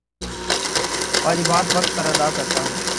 واجبات وقت پر ادا کرتا ہوں